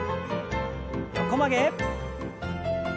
横曲げ。